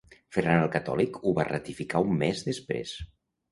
Ferran el Catòlic ho va ratificar un mes després.